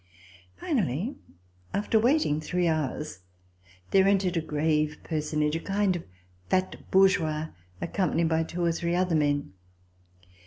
Finally, after waiting three hours, there entered a grave personage, a kind of fat bourgeois, accompanied by two or three other men.